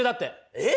えっ！？